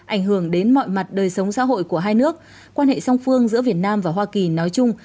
ảnh hưởng đến mọi mặt đời sống xã hội của hai nước quan hệ song phương giữa việt nam và hoa kỳ nói chung